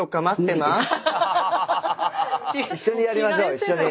一緒にやりましょう一緒に。